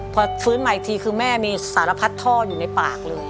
พอฟื้นมาอีกทีคือแม่มีสารพัดท่ออยู่ในปากเลย